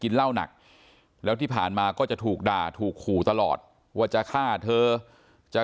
เหล้าหนักแล้วที่ผ่านมาก็จะถูกด่าถูกขู่ตลอดว่าจะฆ่าเธอจะ